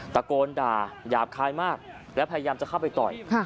ตะโกนด่าหยาบคายมากและพยายามจะเข้าไปต่อย